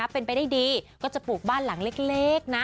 เป็นไปได้ดีก็จะปลูกบ้านหลังเล็กนะ